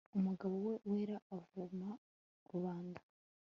Umugabo we wera avuma rubanda